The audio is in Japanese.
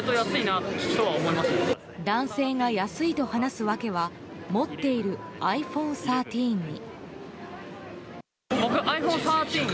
男性が安いと話すわけは持っているｉＰｈｏｎｅ１３に。